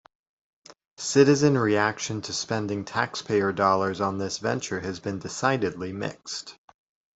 Citizen reaction to spending taxpayer dollars on this venture has been decidedly mixed.